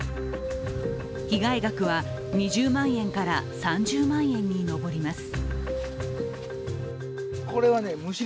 被害額は２０万円から３０万円に上ります。